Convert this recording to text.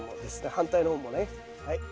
反対の方もねはい。